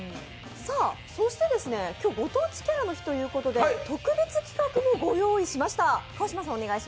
そしてご当地キャラの日ということで特別企画もご用意しました。